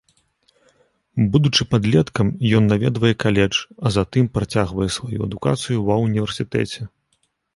Будучы падлеткам ён наведвае каледж, а затым працягвае сваю адукацыю ва ўніверсітэце.